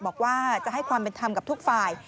บอกว่าจะให้ความเป็นธรรมกับทุกฝ่าย